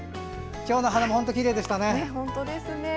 今日の花は本当きれいでしたね。